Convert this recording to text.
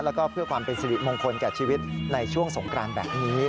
แล้วก็เพื่อความเป็นสิริมงคลแก่ชีวิตในช่วงสงกรานแบบนี้